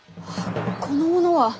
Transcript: この者は！